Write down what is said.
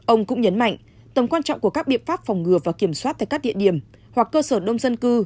ông cũng nhấn mạnh tầm quan trọng của các biện pháp phòng ngừa và kiểm soát tại các địa điểm hoặc cơ sở đông dân cư